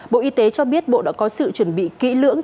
bộ y tế cho biết bộ đã có sự chuẩn bị kỹ lưỡng